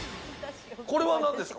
これはなんですか？